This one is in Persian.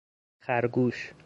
خرگوش!